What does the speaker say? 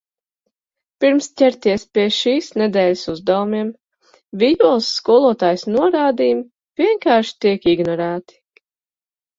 Pirms ķerties pie šīs nedēļas uzdevumiem... Vijoles skolotājas norādījumi vienkārši tiek ignorēti...